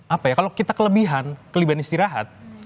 apa ya kalau kita kelebihan kelebihan istirahat